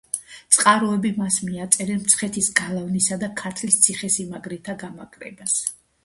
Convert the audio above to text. წყაროები მას მიაწერენ მცხეთის გალავნის და ქართლის ციხესიმაგრეთა გამაგრებას.